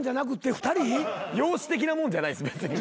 容姿的なもんじゃないです。